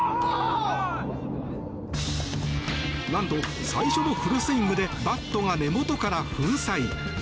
何と、最初のフルスイングでバットが根元から粉砕。